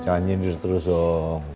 canyit terus terus om